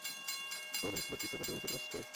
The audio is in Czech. Kolem jeho smrti se vedou dodnes spory.